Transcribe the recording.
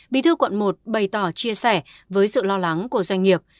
bí thư quận một bày tỏ chia sẻ với sự lo lắng của doanh nghiệp